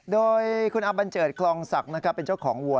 โดยคุณอาบันเจิดคลองศักดิ์เป็นเจ้าของวัว